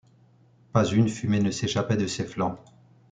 Pas une fumée ne s’échappait de ses flancs.